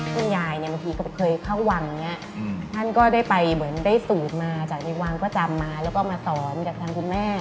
คุณยายเนี่ยบางทีก็เคยเข้าวังอย่างนี้ท่านก็ได้ไปเหมือนได้สูตรมาจากในวังประจำมาแล้วก็มาสอนจากทางคุณแม่